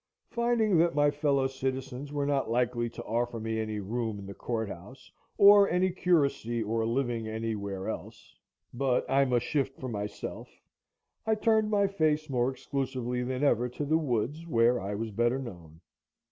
Finding that my fellow citizens were not likely to offer me any room in the court house, or any curacy or living any where else, but I must shift for myself, I turned my face more exclusively than ever to the woods, where I was better known.